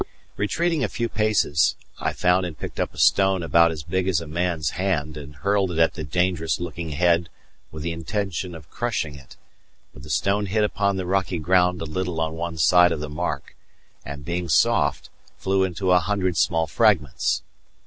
Retreating a few paces, I found and picked up a stone about as big as a man's hand and hurled it at the dangerous looking head with the intention of crushing it; but the stone hit upon the rocky ground a little on one side of the mark and, being soft, flew into a hundred small fragments.